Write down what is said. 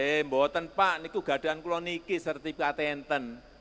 ini enggak ada yang mau buatan